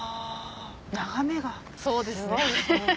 眺めがすごいですね